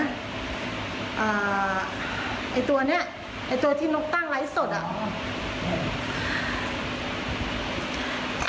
ไอ้ตัวเนี้ยไอ้ตัวที่นกตั้งไลฟ์สดอ่ะ